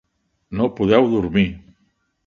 No podeu dormir.